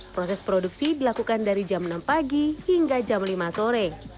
proses produksi dilakukan dari jam enam pagi hingga jam lima sore